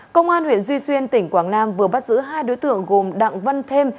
công an huyện duy xuyên tỉnh quảng nam vừa bắt giữ hai đối tượng gồm đặng văn thêm